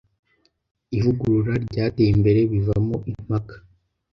Ivugurura ryateye imbere bivamo impaka